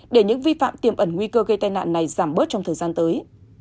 để những vi phạm tiềm ẩn nguy cơ gây tai nạn này giảm bớt trong thời gian tới